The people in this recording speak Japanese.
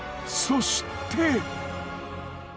そして！